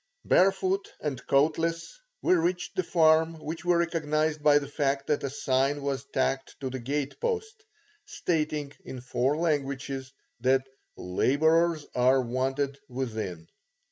Barefoot and coatless we reached the farm which we recognized by the fact that a sign was tacked to the gate post, stating in four languages that "Labourers are wanted within."